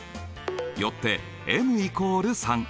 よってｍ＝３。